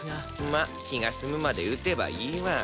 まっ気が済むまで打てばいいワン。